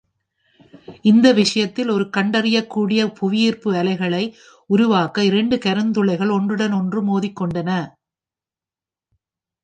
இந்த விஷயத்தில், ஒரு கண்டறியக்கூடிய புவிஈர்ப்பு அலைகளை உருவாக்க இரண்டு கருந்துளைகள் ஒன்றுடன் ஒன்று மோதிக் கொண்டன.